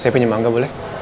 saya pinjem angga boleh